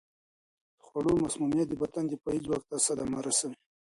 د خوړو مسمومیت د بدن دفاعي ځواک ته صدمه رسوي.